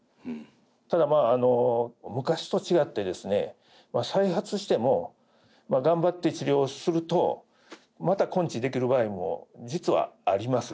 ただまあ昔と違ってですね再発しても頑張って治療するとまた根治できる場合も実はあります